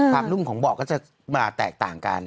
นุ่มของเบาะก็จะมาแตกต่างกัน